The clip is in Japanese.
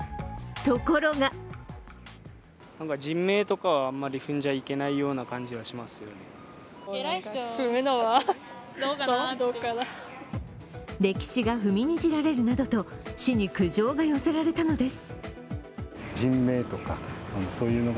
ところが歴史が踏みにじられるなどと市に苦情が寄せられたのです。